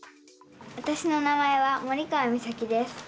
わたしの名前は森川実咲です。